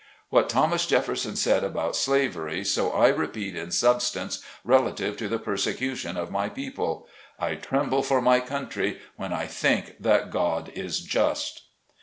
What Thomas Jefferson said about slavery, so I repeat in substance, relative to the persecution of my people :" I tremble for my country when I think that God is just."